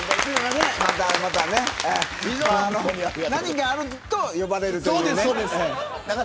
何かあると呼ばれるというね。